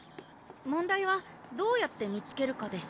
問題はどうやって見つけるかです